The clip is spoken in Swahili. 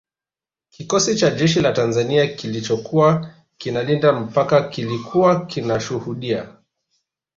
Kikosi cha jeshi la Tanzania kilichokuwa kinalinda mpaka kilikuwa kinashuhudia